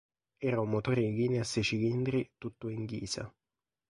Era un motore in linea a sei cilindri tutto in ghisa.